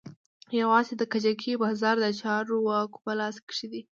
يوازې د کجکي بازار د چارواکو په لاس کښې دى.